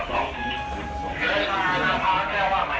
ขอบคุณครับ